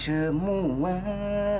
selamat siang semua